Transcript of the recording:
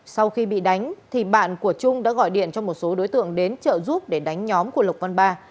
sau khi bị đánh thì bạn của trung đã gọi điện cho một số đối tượng đến trợ giúp để đánh nhóm của lục văn ba